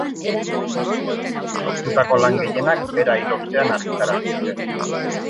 Sortutako lan gehienak bera hil ostean argitaratu ziren.